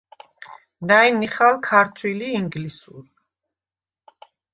ნა̈ჲ ნიხალ ქართვილ ი ინგლისურ.